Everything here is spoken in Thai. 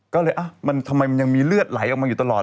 ก็เลยมันทำไมมันยังมีเลือดไหลออกมาอยู่ตลอด